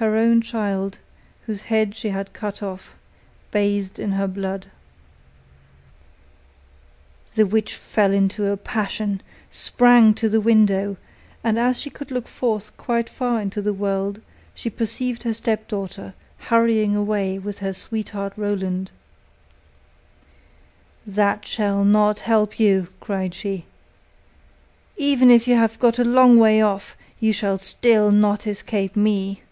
Her own child, whose head she had cut off, bathed in her blood. The witch fell into a passion, sprang to the window, and as she could look forth quite far into the world, she perceived her stepdaughter hurrying away with her sweetheart Roland. 'That shall not help you,' cried she, 'even if you have got a long way off, you shall still not escape me.